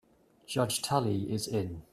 Judge Tully is in.